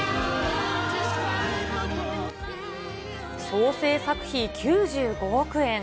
総製作費９５億円。